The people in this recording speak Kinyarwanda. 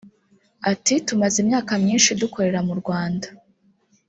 Ati “Tumaze imyaka myinshi dukorera mu Rwanda